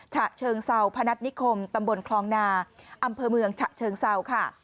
ฉะเชิงเซาพนัฐนิคมตำบลคลองนาอำเภอเมืองฉะเชิงเศร้าค่ะ